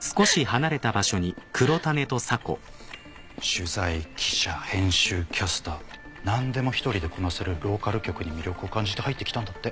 取材記者編集キャスター何でも一人でこなせるローカル局に魅力を感じて入ってきたんだって。